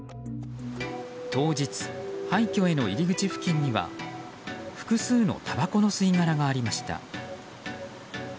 当日、廃虚への入り口付近には複数のたばこの吸い殻がありました。